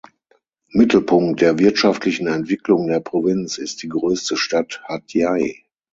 Mittelpunkt der wirtschaftlichen Entwicklung der Provinz ist die größte Stadt Hat Yai.